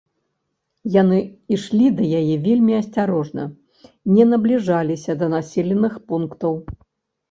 Яны ішлі да яе вельмі асцярожна, не набліжаліся да населеных пунктаў.